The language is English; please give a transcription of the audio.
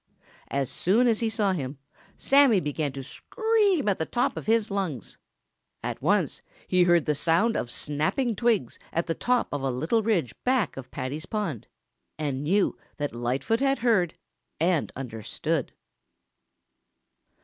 As soon as he saw him, Sammy began to scream at the top of his lungs. At once he heard the sound of snapping twigs at the top of a little ridge back of Paddy's pond and knew that Lightfoot had heard and understood.